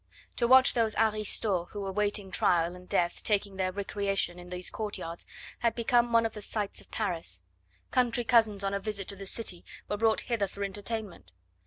To watch those aristos who were awaiting trial and death taking their recreation in these courtyards had become one of the sights of Paris. Country cousins on a visit to the city were brought hither for entertainment.